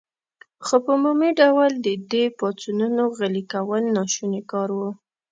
خو په عمومي ډول د دې پاڅونونو غلي کول ناشوني کار و.